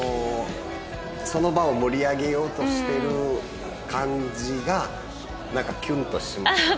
その場を盛り上げようとしてる感じがなんかキュンとしました。